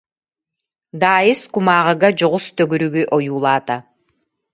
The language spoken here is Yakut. Даайыс кумааҕыга дьоҕус төгүрүгү ойуулаата.